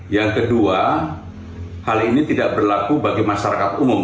yang kedua hal ini tidak berlaku bagi masyarakat umum